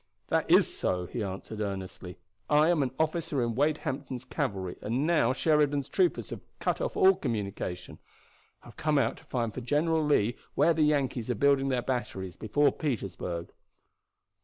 "That is so," he answered earnestly. "I am an officer in Wade Hampton's cavalry, and, now Sheridan's troopers have cut off all communication, I have come out to find for General Lee where the Yankees are building their batteries before Petersburg."